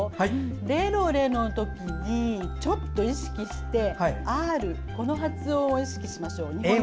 レロレロのときにちょっと意識して英語のＲの発音を意識しましょう。